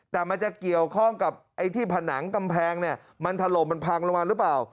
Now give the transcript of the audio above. แต่มันจะเกี่ยวข้องกับไอ้ที่ผนังกำแพงเนี่ยมันถล่มมันพังลงมาหรือเปล่า